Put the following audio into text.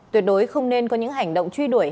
tuyệt đối không nên có những hành động truy đuổi